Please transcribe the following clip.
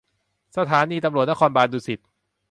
สถานีตำรวจนครบาลดุสิต